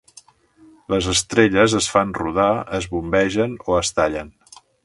Les estrelles es fan rodar, es bombegen o es tallen.